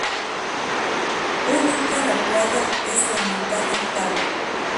Un hito en la playa es la Montaña Table.